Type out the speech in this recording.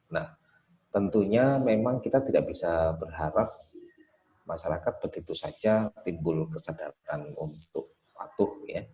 nah tentunya memang kita tidak bisa berharap masyarakat begitu saja timbul kesadaran untuk patuh ya